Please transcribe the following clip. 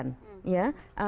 negara hadir adalah untuk korban